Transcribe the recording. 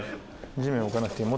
地面に置かなくていい。